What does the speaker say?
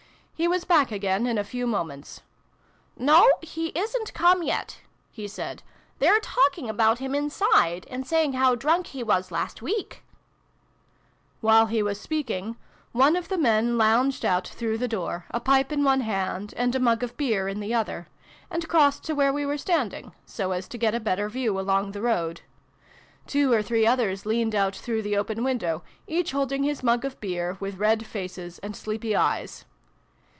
He was back again in a few moments. " No, he isn't come yet," he said. " They're talking about him inside, and saying how drunk he was last week," While he was speaking, one of the men lounged out through the door, a pipe in one hand and a mug of beer in the other, and crossed to where we were standing, so as to get a better view along the road. Two or three others leaned out through the open window, each holding his mug of beer, with red faces and sleepy eyes.